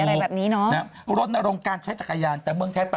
แต่พาวข้อยใหญ่เยอะนะ